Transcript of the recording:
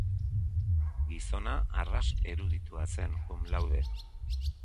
Gizona arras eruditua zen cum laude.